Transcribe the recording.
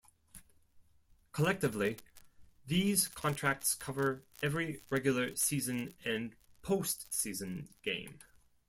Collectively, these contracts cover every regular season and postseason game.